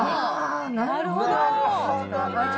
なるほど。